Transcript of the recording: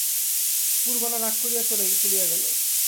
পুরবালা রাগ করিয়া চলিয়া গেল।